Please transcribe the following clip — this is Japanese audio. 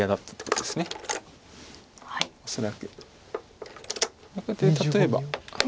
これで例えば。